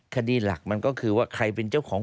คดีหลักมันก็คือว่าใครเป็นเจ้าของ